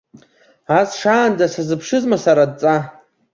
Ас шаанӡа сазыԥшызма сара адҵа!